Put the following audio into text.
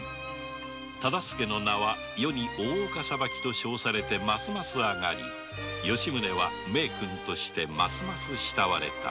忠相の名は世に「大岡裁き」と称されてますます上がり吉宗は名君として慕われた